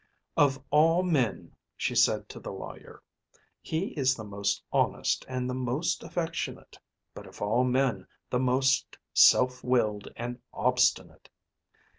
"Of all men," she said to the lawyer, "he is the most honest and the most affectionate; but of all men the most self willed and obstinate.